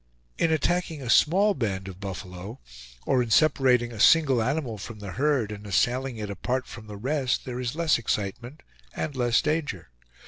In attacking a small band of buffalo, or in separating a single animal from the herd and assailing it apart from the rest, there is less excitement and less danger.